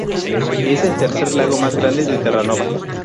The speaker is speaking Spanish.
Es el tercer lago más grande de Terranova.